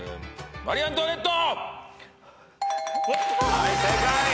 はい正解。